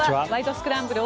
スクランブル」